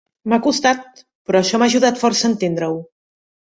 M'ha costat, però això m'ha ajudat força a entendre-ho.